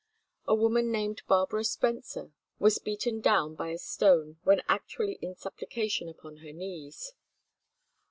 A woman named Barbara Spencer was beaten down by a stone when actually in supplication upon her knees.